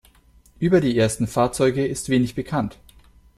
Über die ersten Fahrzeuge ist wenig bekannt.